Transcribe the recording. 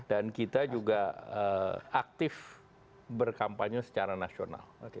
dan kita juga aktif berkampanye secara nasional